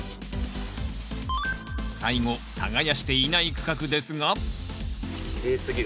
最後耕していない区画ですがきれいすぎる。